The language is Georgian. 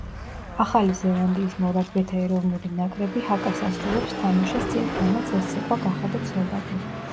ახალი ზელანდიის მორაგბეთა ეროვნული ნაკრები ჰაკას ასრულებს თამაშის წინ, რამაც ეს ცეკვა გახადა ცნობადი.